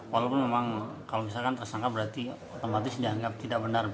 walaupun memang kalau misalkan tersangka berarti otomatis dianggap tidak benar